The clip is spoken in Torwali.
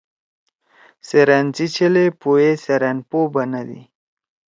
سیرأن سی چھلے پو ئے سیرأن پو بنَدی۔